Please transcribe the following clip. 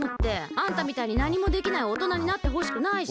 あんたみたいになにもできないおとなになってほしくないし。